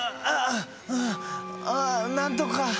ああなんとか。